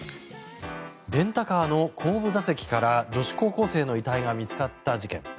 レンタカーの後部座席から女子高校生の遺体が見つかった事件。